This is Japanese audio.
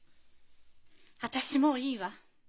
私もういいわ。